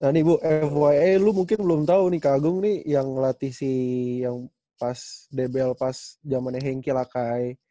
nah nih bu fya lu mungkin belum tahu nih kak agung nih yang ngelatih si yang pas debel pas zamannya henki lakai